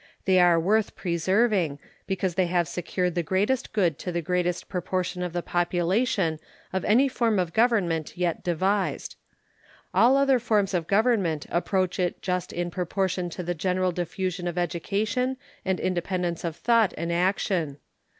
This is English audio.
They are worth preserving, because they have secured the greatest good to the greatest proportion of the population of any form of government yet devised. All other forms of government approach it just in proportion to the general diffusion of education and independence of thought and action.